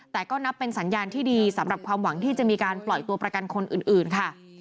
แต่ก็นับเป็นสัญญาณที่ดีสำหรับความหวังที่จะมีการปล่อยตัวประกันคนอื่นค่ะ